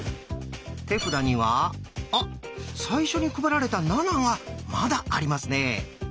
手札にはあ最初に配られた「７」がまだありますね。